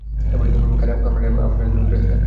কামরায় আমি এবং আমার নার্স বাওয়্যার্স থাকবে।